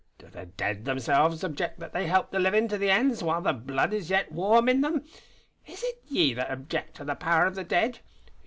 Do the Dead themselves object that they help the livin' to their ends while the blood is yet warm in them? Is it ye that object to the power of the Dead?